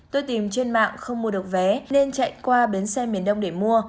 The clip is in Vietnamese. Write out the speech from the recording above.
tôi tìm trên mạng không mua được vé nên chạy qua bến xe miền đông để mua